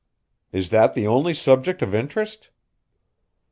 "Is that the only subject of interest?"